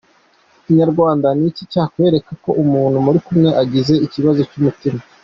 Inyarwanda; Ni iki cyakwereka ko umuntu muri kumwe agize ikibazo cy’umutima?.